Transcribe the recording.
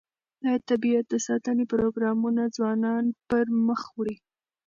د طبیعت د ساتنې پروګرامونه ځوانان پرمخ وړي.